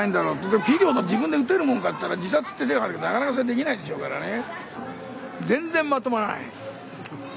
でもピリオド自分で打てるもんかったら自殺って手があるけどなかなかそれできないでしょうからね。